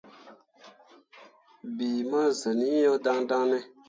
Bii mu zen iŋ yo daŋdaŋ ne ?